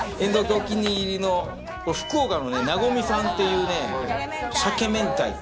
お気に入りの福岡のなごみさんっていうね、鮭明太。